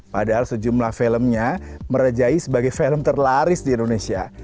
padahal sejumlah filmnya merejai sebagai film terlaris di indonesia